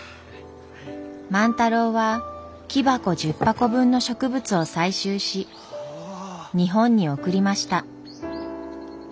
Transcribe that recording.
万太郎は木箱１０箱分の植物を採集し日本に送りました。